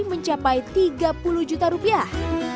mencapai tiga puluh juta rupiah